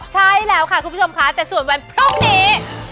ใช่แล้วค่ะคุณผู้ชมค่ะแต่ส่วนวันพรุ่งนี้